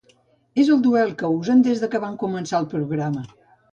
És el duel que usen des que va començar el programa.